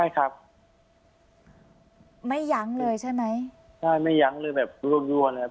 ครับไม่ยังเลยใช่ไหมใช่ไม่ยังเลยแบบรั่วรั่วเลยนะครับ